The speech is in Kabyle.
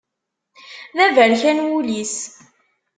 D aberkan wul-is.